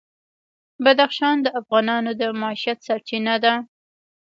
بدخشان د افغانانو د معیشت سرچینه ده.